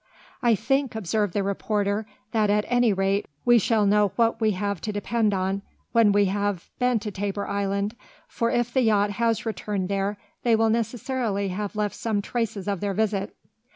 "I think," observed the reporter, "that at any rate we shall know what we have to depend on when we have been to Tabor Island, for if the yacht has returned there, they will necessarily have left some traces of their visit."